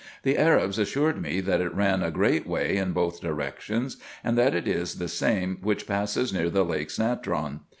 The Arabs assured me that it ran a great way in both directions, and that it is the same which passes near the Lakes Natron.